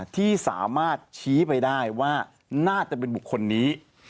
ที่สามารถชี้ไปได้ว่าน่าจะเป็นบุคคลนี้